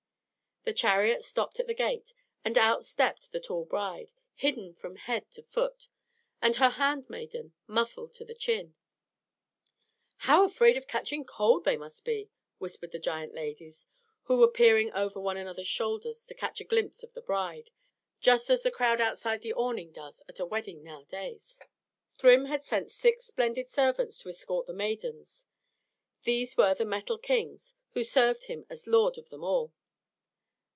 The chariot stopped at the gate, and out stepped the tall bride, hidden from head to foot, and her handmaiden muffled to the chin. "How afraid of catching cold they must be!" whispered the giant ladies, who were peering over one another's shoulders to catch a glimpse of the bride, just as the crowd outside the awning does at a wedding nowadays. Thrym had sent six splendid servants to escort the maidens: these were the Metal Kings, who served him as lord of them all.